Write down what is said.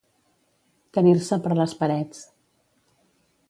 Tenir-se per les parets.